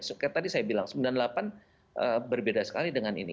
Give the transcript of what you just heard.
tadi saya bilang sembilan puluh delapan berbeda sekali dengan ini